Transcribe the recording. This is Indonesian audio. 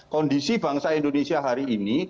kondisi bangsa indonesia hari ini